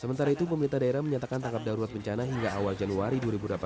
sementara itu pemerintah daerah menyatakan tanggap darurat bencana hingga awal januari dua ribu delapan belas